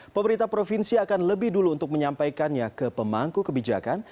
pemerintah provinsi akan lebih dulu untuk menyampaikannya ke pemangku kebijakan